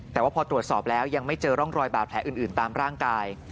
แต่ว่าพอตรวจสอบแล้วยังไม่เจอร่องรอยบาดแผลอื่นตามร่างกาย